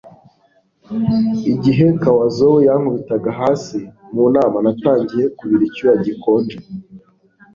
Igihe Kawazoe yankubitaga hasi mu nama natangiye kubira icyuya gikonje